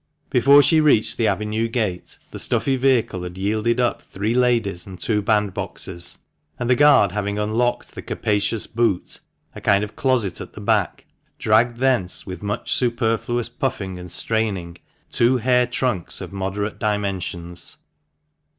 Before she reached the avenue gate, the stuffy vehicle had yielded up three ladies and two bandboxes, and the guard having unlocked the capacious boot (a kind of THE MANCHESTER MAN. 331 closet at the back), dragged thence, with much superfluous puffing and straining, two hair trunks of moderate dimensions.